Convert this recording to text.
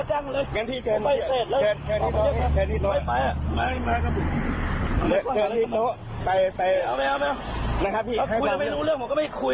ถ้าคุยแล้วไม่รู้เรื่องผมก็ไม่คุย